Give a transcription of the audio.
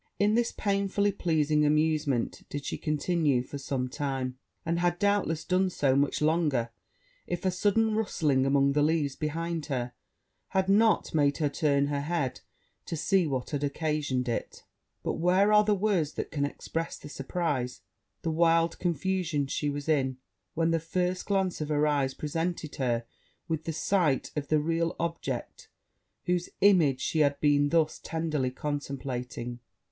In this painfully pleasing amusement did she continue for some time; and had, doubtless, done so much longer, if a sudden rustling among the leaves behind her, had not made her turn her head to see what had occasioned it: but where are the words that can express the surprize, the wild confusion, she was in, when the first glance of her eyes presented her with the sight of the real object, whose image she had been thus tenderly contemplating!